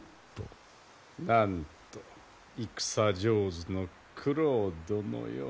なんと戦上手の九郎殿よ。